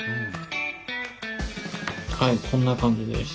はいこんな感じです。